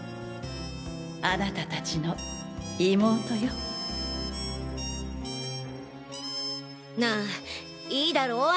あなた達の妹よなぁいいだろ？哀